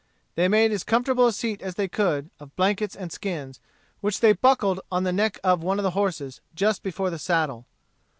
They made as comfortable a seat as they could, of blankets and skins, which they buckled on the neck of one of the horses just before the saddle.